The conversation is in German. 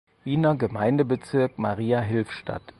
Wiener Gemeindebezirk Mariahilf statt.